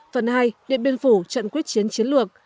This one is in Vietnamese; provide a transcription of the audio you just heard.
phần hai điện biên phủ trận quyết chiến chiến lược